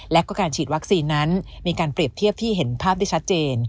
และก็การฉีดวัคซีนนั้นมีการเปรียบเทียบที่เห็นภาพได้ชัดเจน